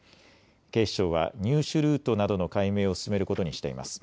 警視庁は入手ルートなどの解明を進めることにしています。